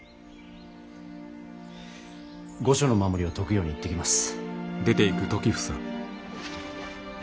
御所の守りを解くように言ってきます。